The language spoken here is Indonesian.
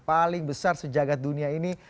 paling besar sejagat dunia ini